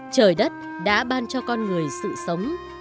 trời đất đã ban cho con người sự sống